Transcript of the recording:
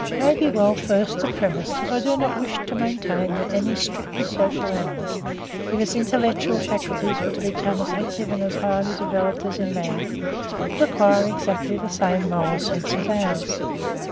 It may be well first to premise that I do not wish to maintain that any strictly social animal, if its intellectual faculties were to become as active and as highly developed as in man, would acquire exactly the same moral sense as ours.